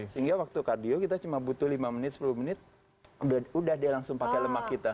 sehingga waktu kardio kita cuma butuh lima menit sepuluh menit udah dia langsung pakai lemak kita